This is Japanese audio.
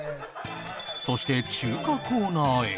そして中華コーナーへ